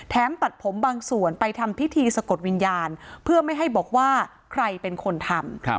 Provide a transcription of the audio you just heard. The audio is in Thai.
ตัดผมบางส่วนไปทำพิธีสะกดวิญญาณเพื่อไม่ให้บอกว่าใครเป็นคนทำ